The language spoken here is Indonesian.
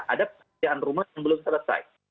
ada pekerjaan rumah yang belum selesai